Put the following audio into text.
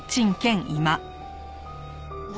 何？